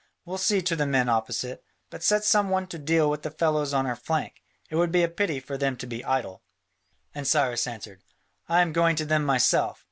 We'll see to the men opposite. But set some one to deal with the fellows on our flank: it would be a pity for them to be idle." And Cyrus answered, "I am going to them myself.